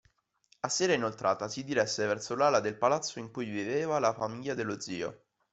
A sera inoltrata si diresse verso l'ala del Palazzo in cui viveva la famiglia dello zio.